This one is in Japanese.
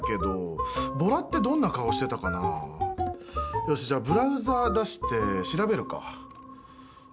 よしじゃあブラウザ出して調べるか。